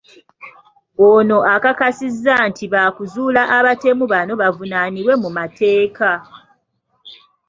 Ono akakasizza nti baakuzuula abatemu bano bavunaanibwe mu mateeka .